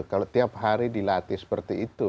jadi ototnya bisa terlatih seperti itu